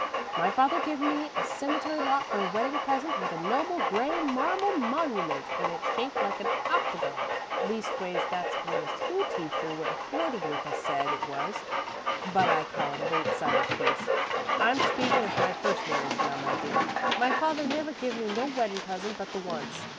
My father give me a cemetery lot for a weddin' present, with a noble grey marble monumint in it shaped like a octagon leastways that's what a school teacher what boarded with us said it was, but I call it a eight sided piece. I'm speakin' of my first marriage now, my dear. My father never give me no weddin' present but the once.